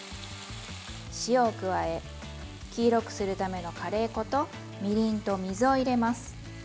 塩を加え黄色くするためのカレー粉とみりんと水を入れます。